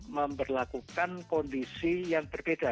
memperlakukan kondisi yang berbeda